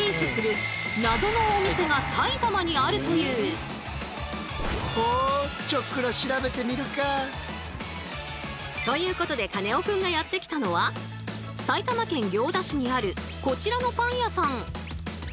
そんな中ほかでは類を見ないということでカネオくんがやって来たのは埼玉県行田市にあるこちらのパン屋さん。